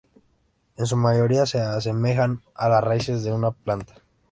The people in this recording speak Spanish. En su mayoría, se asemejan a las raíces de una planta.